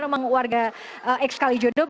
membanyakan memang warga eks kalijodo